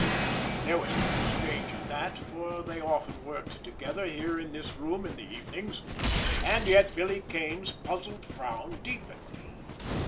There was nothing strange in that, for they often worked together here in this room in the evenings, and yet Billy Kane's puzzled frown deepened.